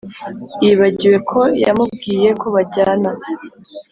yibagiwe ko yamubwiye ko bajyana